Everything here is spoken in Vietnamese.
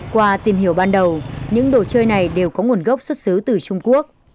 qua tìm hiểu ban đầu những đồ chơi này đều có nguồn gốc xuất xứ từ trung quốc